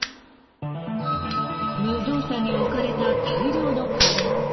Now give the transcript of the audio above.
無造作に置かれた大量の家電。